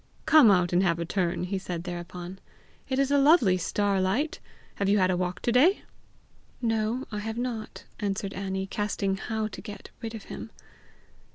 "Come out and have a turn," he said thereupon. "It is lovely star light. Have you had a walk to day?" "No, I have not," answered Annie, casting how to get rid of him.